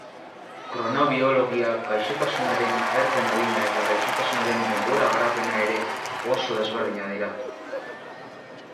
Kronobiologia, gaixotasunaren agerpen adina eta gaixotasunaren denbora-garapena ere oso desberdinak dira.